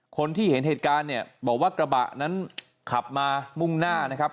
คนที่เห็นเหตุการณ์เนี่ยบอกว่ากระบะนั้นขับมามุ่งหน้านะครับ